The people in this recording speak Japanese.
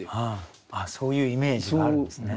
あっそういうイメージがあるんですね。